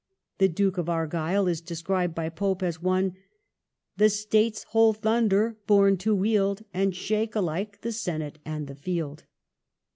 The Duke of Argyle is described by Pope as one The State's whole thunder born to wield, And shake alike the senate and the field.